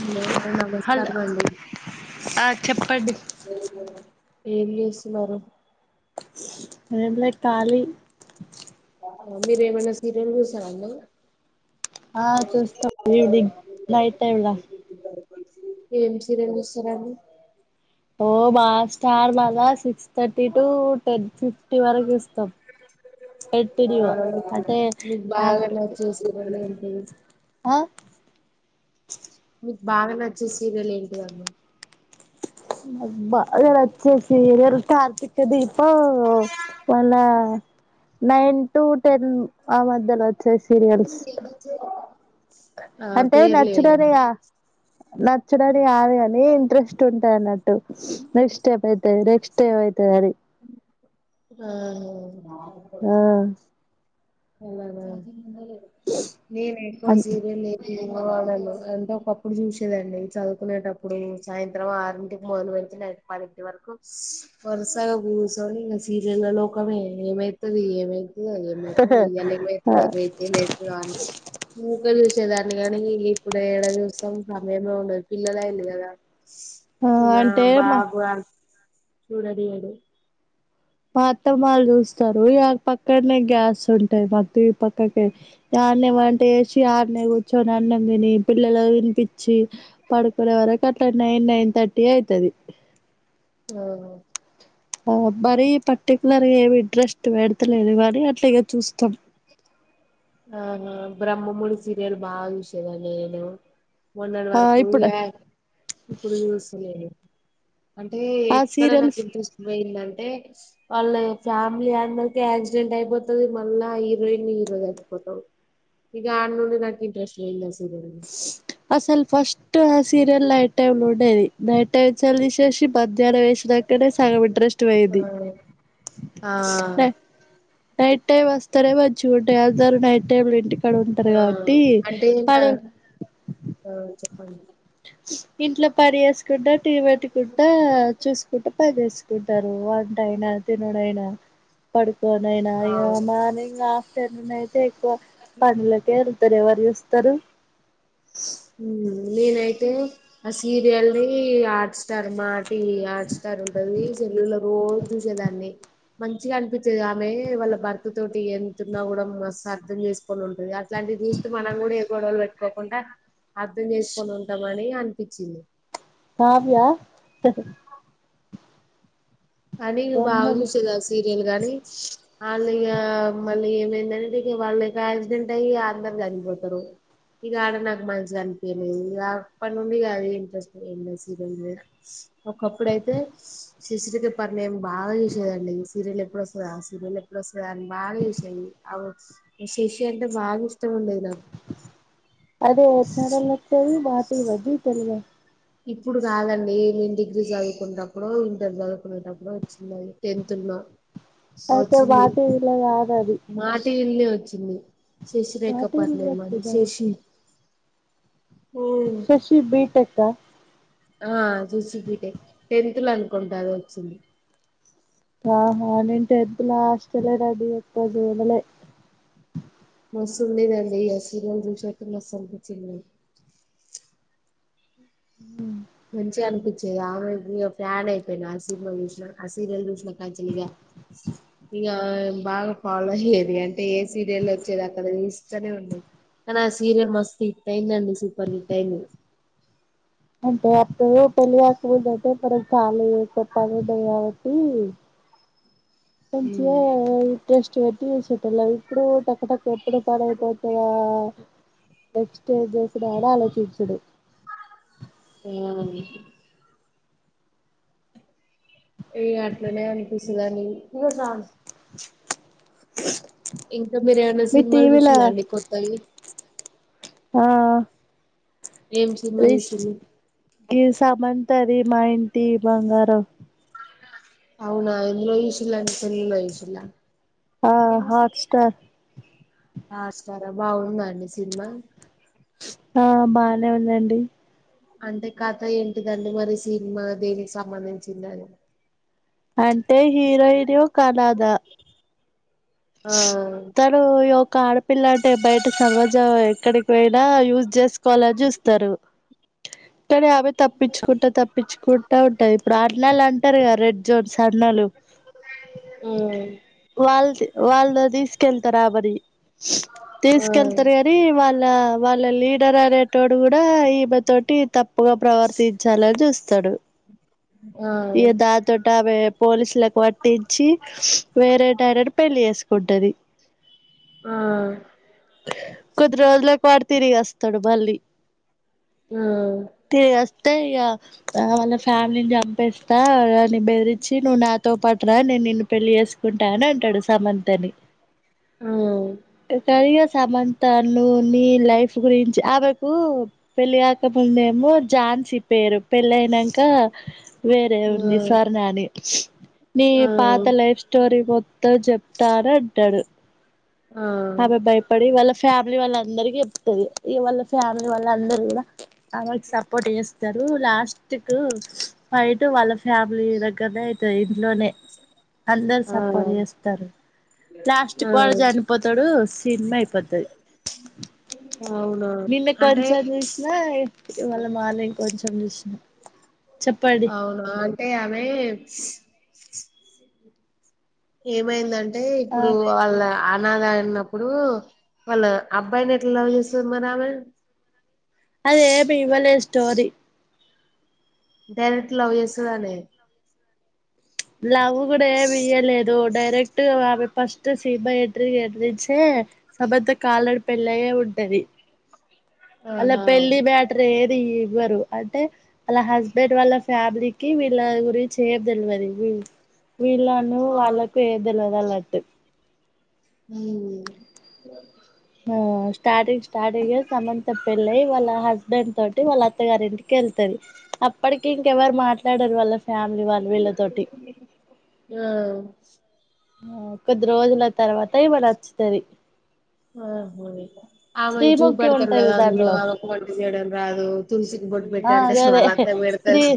Hello నమస్కారం అండి పేరు చేసిన్నారుర అదేల కాాలీ మీరు ఏమైనా సీరియల్ గుసాండి ఆ చూస్తాం ఈవినింగ్ నైట్ టైమ్ లా [inaudible] ఏం చరలుస్తరాని ఓ మా స్టార్ మళా six thirty to ten fifty వరకు ఇస్తాం ఆ కంటిన్యూగా అంటే మీకు బాగా యాక్ట్ నచ్చేసి వాడ ఏంటి ఆ మీకు బాగా నచ్చే సీరియల్ ఏంటివదు బా గనవచ్చే సరల్‌ కార్తీక దీపం మళ ననైన్ టు టెన్ ఆ మధ్యలో వచ్చాయి సీరియల్స్ ఆ అంటే నచ్చడాని పేర్లేదండి నచ్చడాని ఆది కాని ఇంట్రెస్ట్ ఉంటు అన్నట్టు నెక్స్ట్ డే అైత నెక్స్ట్ డే అైత అీ ఆ అ నేను ఎకు సీర లే వాడను అంటే ఒకప్పుడు చూసేదండి చదువుకునేటప్పుడు సాయంత్రం ఆరింటికి మొదలుెళ్ పదిెంట వరకు వరస కు చునిపూో సీరియల్ లోకమే ఏమైతుది ఏమై ఆ అయ్యాలమ అ నమే చ్చేదాన్ని కానీ ఇప్పుడు ఏడ దసం సమయమే ఉండదు పిల్లలయి కదా ఆ అంటే మబా మా వగు చూడడి యిడు మాత్తం వాళ్ళు చూస్తారు ఇ పక్కనే గ్యాస్ ఉంటాయి మ ఈ పక్కకి నాణ్య అంటే వేసి ఆనే కూర్చోని నాన్నం తిని పిల్లలు వినిపించి పడుకునే వరకు అట్లా నైన్ నైన్ ర్టీ అవుతుది [inaudible] ఆ ఆ మరి పర్టికులర్గా ఏమి ఇంట్రెస్ట్ వడతలేదు కానీ అట్లాగ చూస్తాం ఆహా బ్రహ్మముడి సీరియల్ బాగా చూసేదా నేను మోన్నడు ఆ వరకు ఇప్పుడు యాయ్ ఇప్పుడు జూసున్నాను అంటే ఆ ఎక్కడ సీరియల్ నాకు ఇంట్రెస్ట్ పోయిందంటే వాళ్ళ ఫ్యామిలీ అందరికి యాక్సిడెంట్ అయిపోతది మళ్ళా ఇప్ రెయిన్ హీరో చచ్చిపోతవ్ ఇక ఆన్నుండి నాకు ఇంట్రెస్ట్ పోయిందసలు అసలు ఫస్ట్ స్ సీరియల్ నైట్ టైమ్ంలో ఉండేది నైట్ టైమ్స్ లా తీసేసి మధ్యాహ్నం ఏ అక్కడే సగంమిట్రెస్ట్ వోయిది ఆ ఆ నైట్ టైమ్ వస్తారే వచ్చి ఉంటే అందరు నైట్ టైమ్ లో ఇంటికి కాడ ఉంటరు ఆ, కాబట్టి అంటే నా ఆడ ఆ చెప్పండి ఇంట్లో పని చేేసుకుంటా టీ పెట్టుకుంటా చూసుకుంటా పని చేసుకుంటారు వంట అయినా తినుడు అయినా పడు లోనైనా ఇగ అవును మార్నింగ్ ఆఫ్టర్నూన్ అయితే ఎక్కువ పనులకే ఎలతారు ఎవరు చూస్ తరు ఉమ్ నేనైతే ఆ సీరియల్ ఆట్ స్టార్ మ ఈ ఆట్ స్టార్ ఉంటది సెల్లులో రోజు చూసేదాన్ని మంచిగా అనిపిస్తది ఆమె వాళ్ళ భర్త తోటి ఎంతున్నా కూడా మ అర్థం చేసుకొని ఉంటది అట్లాంటి అది చూస్త మనం కూడా ఏ గొడవలు పెట్టుకో కుండా అర్ధం చేసుకొని ఉంటమని అనిపించింది కావ్య కానీ బాగా బ్రహ్మం చూసేది ఆ సీరియల్ గానీ ఆల్ ఇగ మళ్ళీ ఏంటంటే వాళ్ళ కు యాక్సిడెంట్ అయ్యి అందరూ చనిపోతారు ఇకా ఆడ నాకు మంచిగా అనిపీయలేదు ఇక అప్పటి నుండి అదే ఇంట్రెస్ట్ పోయింది సీరియల్ మీద ఒక కప్పుడయితే సే స్ సేసిరెక పర్నింట్ బాగా చేసేదండి సీరియల్ ఎప్పుడొస్తుందా సీరియల్ ఎప్పుడువోస్తద అని బాగా చేసేది అవు శశి అంటే బాగా ఇష్టమండి నాకు అదే చీరల్లో వచ్చేది మాటిలో జీ తెలుగు లో ఇప్పుడు కాదండి మేము డిగ్రీ చదువుకునేప్పుడు ఇంటర్ చదువుకునేటప్పుడు టెన్త్ లో అయితే మా వచ్చింది టీవీలో కాదది మాటివి ఇల్ శశి మా రేఖ టీవీలో వస్తదా పరిణయంశశి శశి బీటెక్క ఆ చూసిపిట్టే టెన్త్ లో అనుకుంటా అది వచ్చి ఆహా నేను టెన్త్ లో హాస్టల్ ఏ అండి ఎప్పుడూ జూడలే మసుండేదండి ఆ సీరియల్ చూసేటప్పుడు మస్తు అనిపించేది బ మంచిగా అనిపించేది ఆమె ఇగ ఫ్యాన్ అయిపోయినా ఆ సినిమా చూసినా ఆ సీరియల్ చూసినా కాంచల్ల ఇంగ బాగా ఫాలో అయ్యేది అంటే ఏ సీరియల్ వచ్చేది అక్కడ ఇస్తూనే ఉండది కానీ ఆ సీరియల్ మస్ట్ హిట్ అయింద అండి సూపర్ హిట్టయింది అంటే అప్పుడు పెళ్లికాకముందు అయితే [unintelligible] పనుండదు కాబట్టి మంచిగా ఉమ్ టేస్ట్ పెట్టిసేటళ ఇప్పుడు టక్కటక్ ఎప్పుడు పనైపోతదా ఎస్టేజ్ చేసుడు ఆలోచించుడు ఆ ఏ అట్లనే అనిపిస్తుందని ఇంకా మీరేమన్నా మీ సినిమాలు టీవీలా చూసిలాండి కొత్తవి ఆ ఏం సినిమా రిస్ చూసిలు గి సమంత ది మా ఇంటి బంగారం అవునా ఎందులో చూశిల్లు అండి సెల్లుల చూసిల్లా ఆ హాట్ స్టార్ హాట్స్టార్ బాగుంద అండి సినిమా ఆ బానే ఉందండి అంటే కథ ఏంటిదండి మరి సినిమా దేనికి సంబంధించింది అని అంటే హీరోయిన్ ఒక అనాధ ఆ ఇద్దరు పోయి యోక్క పిల్లా అంటే బయట సమాజం ఎక్కడికి పోయినా యూజ్ చేసుకోవాలని చూస్తారు తర అ తప్పించుకుంటా తప్పించుకుంటా ఉంటది ఇప్పుడు అన్నలు అంటారు కదా రెడ్ జోన్స్ర్నాలు అ వాల్ తీసుకెళ్తారా ఆ బరి తీసుకెళ్తారు కాని వాళ్ళ వాళ్ళ లీడర్ అనే టోడు కూడా ఈమె తోటి తప్పుగా ప్రవర్తించాలని చూస్తాడు ఆ ఇగ ఆ దాని తోటి ఆమె పోలీస్ల కి పట్టించి వేరే టైనన్ పెళ్లి చేసుకుంటది ఆ కొద్ది రోజులకు వాడు తిరిగి అస్తడు మళ్ళి ఆ అంటే ఇగ వాళ్ళ ఫ్యామిలీని చంపేస్తా అని బెదిరించి నువ్వు నాతో పాటు రా నేను నిన్ను పెళ్ళి చేసు కుంటా అని అంటాడు సమంత నీ ఆ కాని దిగా సమం తను నీ లైఫ్ గురించి ఆమెకు పెళ్లికాకముందేమో జాన్స్ పే రు పెళ్ళయినమ్కా వేరే ఉంది సరే స్వర్ణ నీ ఆ పాత లైఫ్ స్టోరీ మొ త్తం చెప్తా అని అంటాడు ఆ ఆమె భయపడి వాళ్ళ ఫ్యామిలీ వాళ్ళ అందరికి చెప్తుంది ఇగ వాళ్ళ ఫ్యామిలీ వాళ్ళ అందరు కూడా అమెకి సపోర్ట్ చేస్తారు లాస్ట్ కు ఫైట్ వాళ్ళ ఫ్యామిలీ దగ్గరనే అయితది ఇంట్లోనే అందరు ఆ సపోర్ట్ చేస్తారు లాస్ట్ కు వాడు చనిపోతాడు సినిమా అయిపోతది ఆ అవునా నిన్న అంటే కొంచెం చూసిన ఇవాళ్ళ మార్నింగ్ కొంచెం చూసినా అవునా అంటే ఆమె ఏమైందంటే ఆ ఇప్పుడు వాళ్ళ అనాద అన్నప్పుడు వాళ్ళ అబ్బాయిని ఎట్లా లవ్ చేస్తది మరి ఆమె అదేం ఇవలే స్టోరి డైరెక్ట్ లవ్ చేస్తదనే లవ్ కూడా ఏమి ఇయ్యలేదు డైరెక్ట్ ఆమె ఫస్ట్ సీనిమా ఎంట్రీ న్నుంచే సమంత కి ఆల్రెడీ పెళ్ళయే ఉంటది అల ఆహా పెళ్లి మ్యాటర్ ఏ ఇవ్వరు అంటె అల హస్బెండ్ వాళ్ళ ఫ్యామిలీకి వీళ్ళ గురించి ఏం తెల్వది వీళ్ళ అన్నయ ఆ వాళ్ళకు ఏది తేల్వది అనట్టే ఊమ్మ్ ఆ స్టార్టింగ్ స్టార్టింగె సమంత పెళ్ళై వాళ్ళ హస్బెండ్ తోటి వాళ్ళ అత్తగారి ఇంటికి ఎల్తది అప్పటికి ఇంకెవరు మాట్లాడరు వాళ్ళ ఫ్యామిలీ వాళ్ళు వీళ్ళతోటి ఆ కొద్ది రోజుల తర్వాత ఈమె నచ్చుతది అ ఆమెను శ్రీముఖి చూపెడతరు ఉంటది కదా అందులో దాంట్లో ఆమెకు వంట చేయడం రాదు తులసికి బొట్టు పెట్టు ఆ అంటె వాళ్ళ అత్తకు పెడ్తది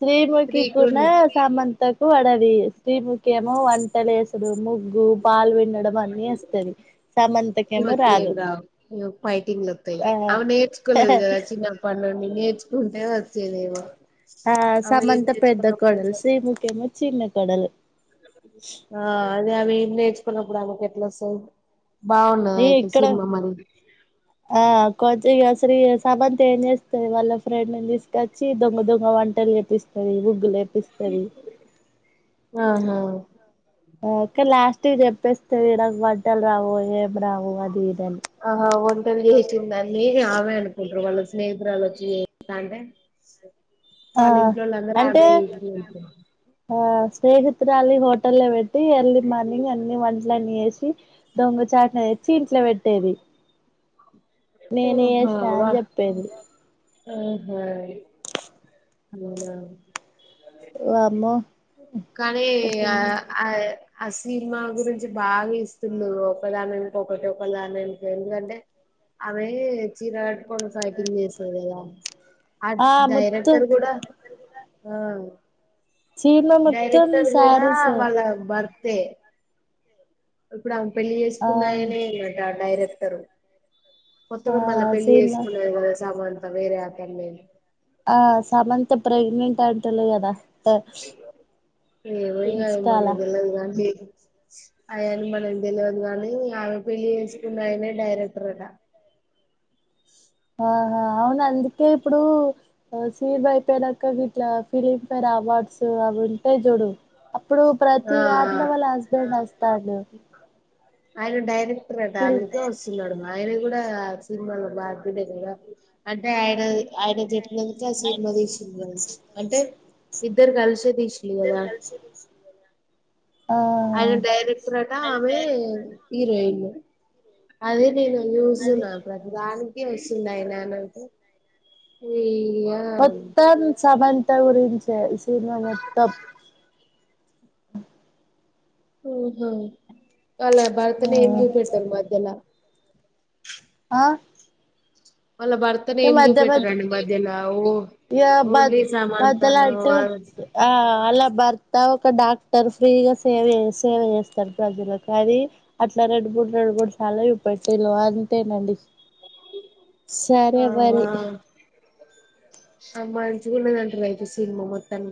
శ్రీముఖీ కు నా సమంతకు వడది శ్రీముఖి ఏమో వంట లేసుడు, ముగ్గు, పాలు విండడం అన్ని వస్తది సమంత కేమో ముగ్గులు ఏం రావు పైటింగ్లతై ఆ ఆమె నేర్చుకోలేదు కద చిన్నప్పటినుండి నేర్చుకుంటె వచ్చేదేమో ఆ ఆమె ఏం సమంత పెద్ద నేర్చుకోనప్పుడు కొడలు ఎట్లా వస్తది శ్రీముఖి ఏమో చిన్న కోడలు ఆ అదే అవి ఏం నేర్చుకొనప్పుడు ఆమెకు కెట్ల అస్తది బాగుందా నీ అయితే ఇక్కడ సినిమా మరి ఇగ అసలు శ్రీ సమంత ఏం చేస్తది వాళ్ళ ఫ్రెండ్ని తీసుకొచ్చి దొంగ దొంగ వంటలు లేపిస్తది ముగ్గు లేపి ఆహా ఆ కని లాస్ట్ చెప్పేస్తది నాకు వంటలు రావు అని ఆహా వంటలు చేసిందని ఆమె అనుకుంటరు వాళ్ళ స్నేహితురాలు వచ్చి స్త అంటే ఆ వాళ్ళ ఇంట్లోలందరూ ఆమె అంటే నే చేసింది అనుకుంటరు [inaudible] ఆ స్నేహితురాలి హోటల్ లో పెట్టి ఎర్లీ మార్నింగ్ అన్ని వంట్ల అన్ని ఏసి దొంగ చాటున తెచ్చి ఇంట్లో పెట్టేది నేనే ఆహా చేశా వా అని చెప్పేది ఆహా అ ఏమో కానీ ఆ ఆ ఆ సినిమా గురించి బాగ ఇస్తుండే ఒకదాని ఎనుక ఒకటి ఒకదాని ఎనుక ఒకటి ఎందుకంటె అమే చీర కట్టుకుని ఫైటింగ్ చేస్తది కద అ ఆ మొత్తం డైరెక్టర్ కూడ ఆ చీరలో మొత్తం డైరెక్టర్ కూడా శారీసే వాళ్ళ భర్తఎ ఇప్పుడు ఆమె పెళ్లి ఆ చేసుకున్నాయనే నట డైరెక్టరు ఆ కొత్తగా మళ్ళ పెళ్లి చీరలో చేసుకున్నరు కద సమంత వేరే అతన్ని ఆ సమంత ప్రెగ్నెంట్ అంటులు కద ఏమో ఇగ ఇన్స్టాల మనకి తెల్వది కానీ ఏమో ఆయన్ని మనకు తెలువది గాని ఆమె పెళ్లి చేసుకున్న ఆయన డైరెక్టర్ అట ఆహా అవును అందుకే ఇప్పుడు సి బై పేర్ అక్క గిట్ల ఫిలిమ్ పేర్ అవార్డ్ [inaudible] అవార్డ్స్ అవి ఉంటయి చూడు అప్పుడు ఆ ప్రతి దాంట్లో వాళ్ళ హస్బెండ్ అస్తాండు అయన డైరెక్టర్ అట అందుకే వస్తున్నడు అయన కూడ ఆ సినిమాలో బాధ్యుడే కద అంటే ఆయన ఆయన చెట్ మిగతా సినిమా తీసిండు కావచ్చు అంటె ఇద్దరు కలిసే తీస్ ఇద్దరు కలిసే తీసిం ఆయన డైరెక్టర్ అట ఆమె హీరోయిన్ అదే నేను హ్మ్. యూసునా ప్రతిదానికి విసుందయినా నాకు ఈ మొత్తం సమనంత గురించే ఈ సినిమా మొత్తం ఓహో అలా బర్తనే ఏం హ్మ్. జుపేటల్ మద్యల అ వాళ్ళ భర్తను ఏం చూపెట్టారండి మధ్యల ఓ ఇగ బర్త్ ఓన్లీ సమంతను బర్తలంటు ఆ అలా బర్ త ఒక డాక్టర్ ఫ్రీ గా సేవ చే సేవ చేస్ [unintelligible] అది అట్లా రెండుమూడు రెండుమూడు సాలా చూపెటిల్ అంతేనండి సరే మరి అమ మంచిగనే అంటరు అయితే సినిమా మొత్తానికి